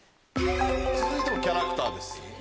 続いてもキャラクターです。